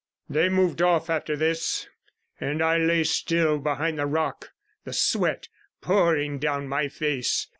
They moved off after this, and I lay still behind the rock, the sweat pouring down my face.